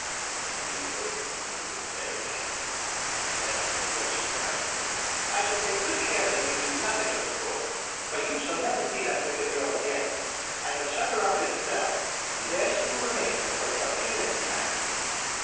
At these words, the queen grew very angry, and, stamping her. foot, she cried, " I shall take good care that you do nothing of the sort, for you shall never see that wicked girl again. I have shut her up in a cell, and there she will remain until Troutina is married."